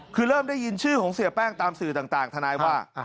คือเริ่มได้ยินชื่อของเสียแป้งตามสื่อต่างทนายว่า